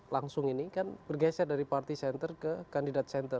langsung ini kan bergeser dari party center ke kandidat center